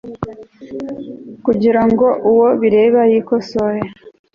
kugira ngo uwo bireba yikosore